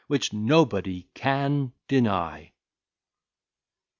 Which nobody can deny.